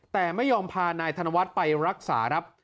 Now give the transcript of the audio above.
แต่ไม่ยอมพานายธนวัฒน์ไปรักษาครับ